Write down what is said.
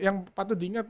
yang patut diingat